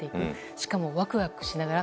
しかもワクワクしながら。